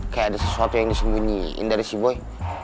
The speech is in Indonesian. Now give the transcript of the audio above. kayak ada sesuatu yang disembunyiin dari si boy